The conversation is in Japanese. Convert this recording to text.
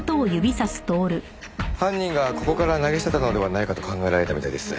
犯人がここから投げ捨てたのではないかと考えられたみたいです。